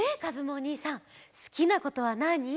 おにいさんすきなことはなに？